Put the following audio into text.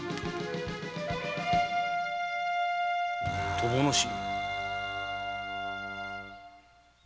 友之進。